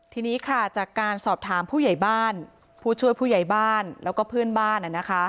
ทีนี้ค่ะจากการสอบถามผู้ใหญ่บ้านผู้ช่วยผู้ใหญ่บ้านแล้วก็เพื่อนบ้าน